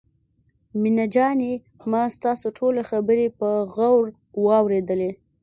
مينه جانې ما ستاسو ټولې خبرې په غور واورېدلې.